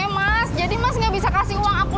mas jadi kamu tidak bisa memberi uang lagi